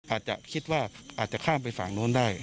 อาจจะคิดว่าอาจจะข้ามไปฝั่งโน้นได้